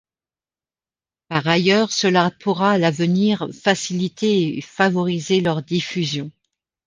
Par ailleurs, cela pourra à l'avenir faciliter et favoriser leur diffusion.